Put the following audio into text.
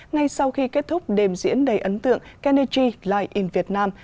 ngay sau khi kết thúc đềm diễn đầy ấn tượng kennedy light in vietnam